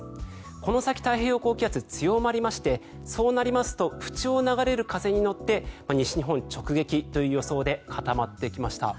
この先、太平洋高気圧強まりましてそうなりますと縁を流れる風に乗って西日本直撃という予想で固まってきました。